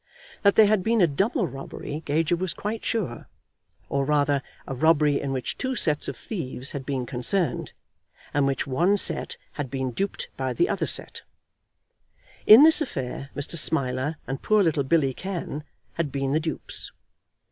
That there had been a double robbery Gager was quite sure; or rather a robbery in which two sets of thieves had been concerned, and in which one set had been duped by the other set. In this affair Mr. Smiler and poor little Billy Cann had been the dupes.